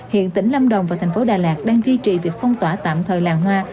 hiện tỉnh lâm đồng và thành phố đà lạt đang duy trì việc phong tỏa tạm thời làng hoa